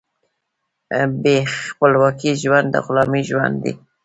بې خپلواکۍ ژوند د غلامۍ ژوند دی.